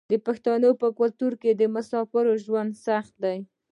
د پښتنو په کلتور کې د مسافرۍ ژوند سخت دی.